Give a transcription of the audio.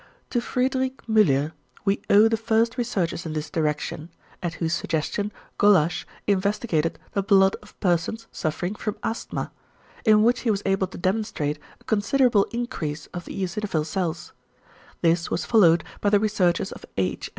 To Friedrich Müller we owe the first researches in this direction, at whose suggestion Gollasch investigated the blood of persons suffering from asthma; in which he was able to demonstrate a considerable increase of the eosinophil cells. This was followed by the researches of H.